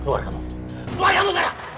keluar kamu keluar kamu sekarang